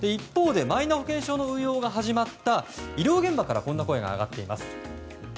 一方、マイナ保険証の運用が始まった医療現場からこんな声が上がっています。